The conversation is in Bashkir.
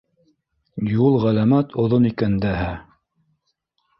Юл ғәләмәт оҙон икән дәһә.